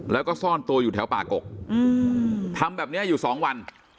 แล้วก็ซ่อนตัวอยู่แถวป่ากกทำแบบนี้อยู่สองวัน